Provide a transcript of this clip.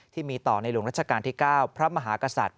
ที่มีต่อในหลวงรัชกาลที่๙พระมหากษัตริย